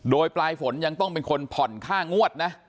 โดยปลายฝนยังต้องเป็นคนผ่อนค่างวดนะ